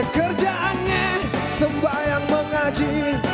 kerjaannya sembahyang mengaji